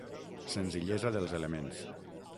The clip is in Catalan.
Senzillesa dels elements.